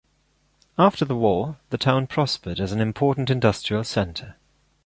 After the war, the town prospered as an important industrial center.